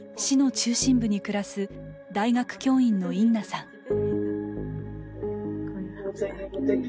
市の中心部に暮らす大学教員のインナさん。